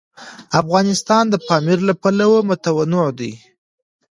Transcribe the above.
افغانستان د پامیر له پلوه متنوع دی.